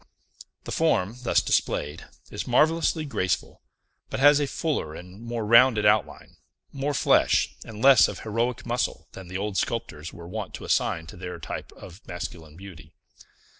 The form, thus displayed, is marvellously graceful, but has a fuller and more rounded outline, more flesh, and less of heroic muscle, than the old sculptors were wont to assign to their types of masculine beauty.